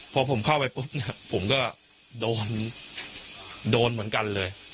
พอผมเข้าไปปุ๊บเนี่ยผมก็โดนโดนเหมือนกันเลย